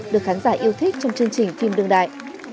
được khán giả yêu thích trong chương trình phim đương đại